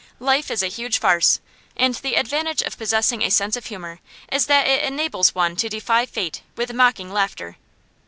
Life is a huge farce, and the advantage of possessing a sense of humour is that it enables one to defy fate with mocking laughter.